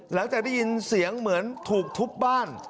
หลังจากได้ยินเสียงเหมือนถูกทุบบ้าน